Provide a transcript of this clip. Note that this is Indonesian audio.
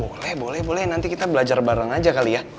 boleh boleh nanti kita belajar bareng aja kali ya